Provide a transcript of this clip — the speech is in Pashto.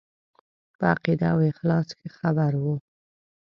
په عقیده او اخلاص ښه خبر وو.